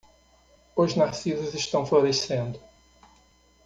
Os narcisos estão florescendo.